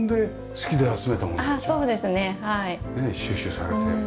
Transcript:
収集されて。